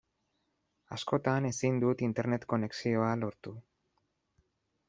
Askotan ezin dut Internet konexioa lortu.